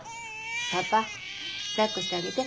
パパ抱っこしてあげて。